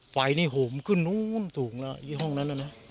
ไฟนี่โหมันขึ้นนู้นถูกแล้วอีกห้องนั้นแล้วนะ